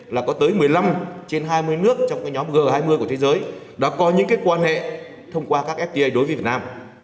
là có tới một mươi năm trên hai mươi nước trong nhóm g hai mươi của thế giới đã có những quan hệ thông qua các fta đối với việt nam